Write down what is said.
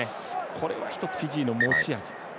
これが１つ、フィジーの持ち味。